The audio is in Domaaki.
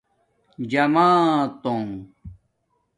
جماتونݣ